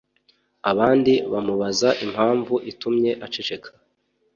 abandi bamubaza impamvu itumye aceceka